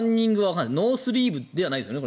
ノースリーブじゃないですよね。